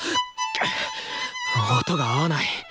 くっ音が合わない！